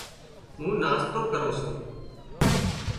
مُون ناشتو ڪرُون سُون۔